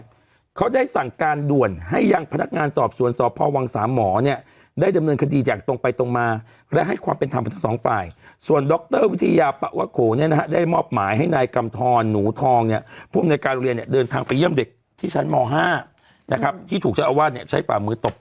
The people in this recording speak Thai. เขาได้สั่งการด่วนให้ยังพนักงานสอบสวนสพวังสามหมอเนี่ยได้ดำเนินคดีอย่างตรงไปตรงมาและให้ความเป็นธรรมกับทั้งสองฝ่ายส่วนดรวิทยาปะวะโขเนี่ยนะฮะได้มอบหมายให้นายกำทรหนูทองเนี่ยผู้อำนวยการโรงเรียนเนี่ยเดินทางไปเยี่ยมเด็กที่ชั้นม๕นะครับที่ถูกเจ้าอาวาสเนี่ยใช้ฝ่ามือตบ